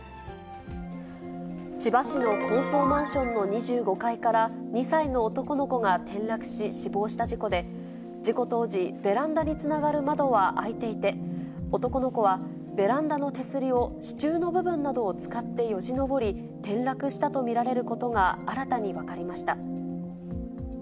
千葉市の高層マンションの２５階から２歳の男の子が転落し、死亡した事故で、事故当時、ベランダにつながる窓は開いていて、男の子はベランダの手すりを支柱の部分などを使ってよじ登り、転落したと見られることが新たに分かりました。